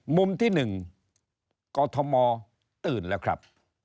มุมที่๑กอทมตื่นแล้วครับ